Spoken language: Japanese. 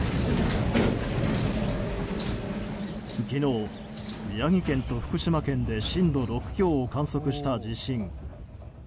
昨日、宮城県と福島県で震度６強を観測した地震。